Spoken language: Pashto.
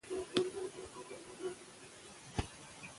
د ماشوم پاملرنه د ټولنې راتلونکی خوندي کوي.